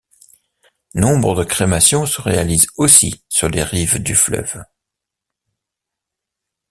Nombre de crémations se réalisent aussi sur les rives du fleuves.